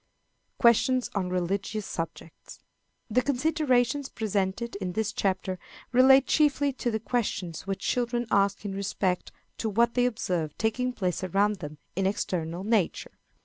Questions on Religious Subjects. The considerations presented in this chapter relate chiefly to the questions which children ask in respect to what they observe taking place around them in external nature.